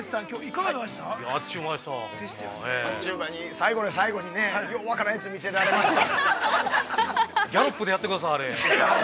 ちゅう間に、最後の最後にね、よう分からんやつ、見せられました。